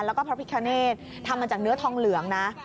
แล้วก็พระพิคเนธทำมาจากเนื้อทองเหลืองนะ